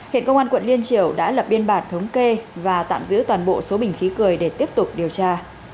hiện công an quận liên triều đã lập biên bản thống kê và tạm giữ toàn bộ số bình khí cười để tiếp tục điều tra